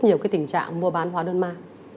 nhiều cái tình trạng mua bán hóa đơn ma